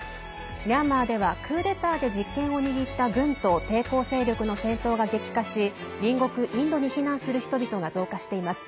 ミャンマーではクーデターで実権を握った軍と抵抗勢力の戦闘が激化し隣国インドに避難する人々が増加しています。